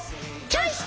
チョイス！